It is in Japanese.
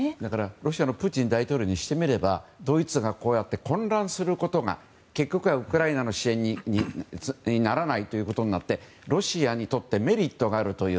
ロシアのプーチン大統領にしてみればドイツがこうして混乱することが結局はウクライナの支援にならないということになってロシアにとってメリットがあるという。